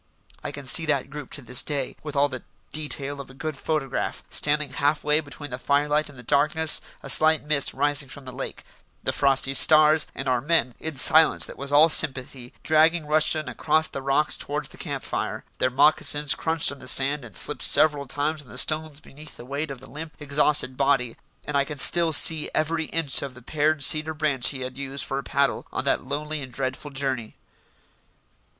I can see that group to this day, with all the detail of a good photograph: standing half way between the firelight and the darkness, a slight mist rising from the lake, the frosty stars, and our men, in silence that was all sympathy, dragging Rushton across the rocks towards the camp fire. Their moccasins crunched on the sand and slipped several times on the stones beneath the weight of the limp, exhausted body, and I can still see every inch of the pared cedar branch he had used for a paddle on that lonely and dreadful journey.